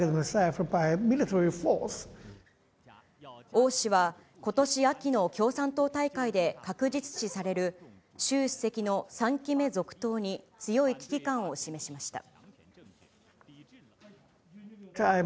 王氏は、ことし秋の共産党大会で確実視される、習主席の３期目続投に強い危機感を示しました。